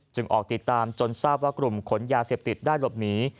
ออกติดตามจนทราบว่ากลุ่มขนยาเสพติดได้หลบหนี